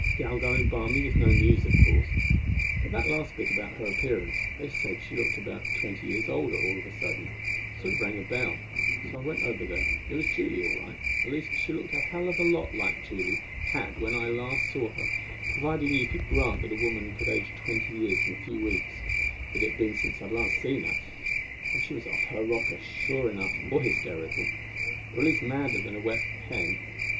"Gal going blarmy was no news, of course, but that last bit about her appearance they said she looked about twenty years older, all of a sudden sort of rang a bell. So I went over there. It was Julie, all right; at least, she looked a hell of a lot like Julie had when I last saw her provided you could grant that a woman could age twenty years in the few weeks it had been. And she was off her rocker, sure enough or hysterical. Or at least madder than a wet hen.